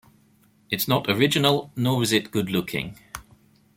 It's not original, nor is it good looking.